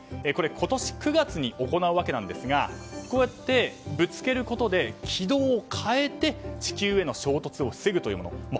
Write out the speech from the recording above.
これ、今年９月に行うわけですがこうやってぶつけることで軌道を変えて地球への衝突を防ぐというもの。